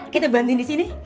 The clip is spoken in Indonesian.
kita bantuin disini